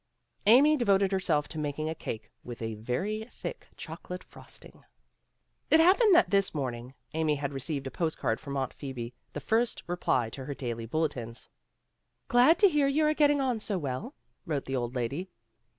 Amy devoted herself to making a cake with a very thick chocolate frosting. It happened that this morning Amy had re ceived a postcard from Aunt Phoebe, the first reply to her daily bulletins. "Glad to hear you are getting on so well," wrote the old lady.